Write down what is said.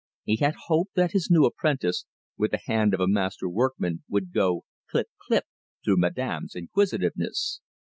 He now hoped that his new apprentice, with the hand of a master workman, would go clip, clip through madame's inquisitiveness.